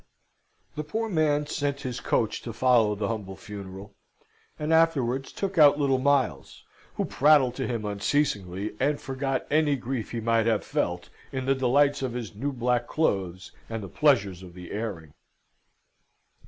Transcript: The poor man sent his coach to follow the humble funeral, and afterwards took out little Miles, who prattled to him unceasingly, and forgot any grief he might have felt in the delights of his new black clothes, and the pleasures of the airing.